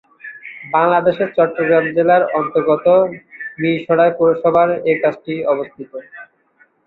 বাংলাদেশের চট্টগ্রাম জেলার অন্তর্গত মীরসরাই পৌরসভায় এ কলেজটি অবস্থিত।